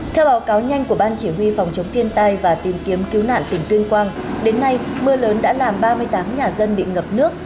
theo báo cáo nhanh của ban chỉ huy phòng chống thiên tai và tìm kiếm cứu nạn tỉnh tuyên quang đến nay mưa lớn đã làm ba mươi tám nhà dân bị ngập nước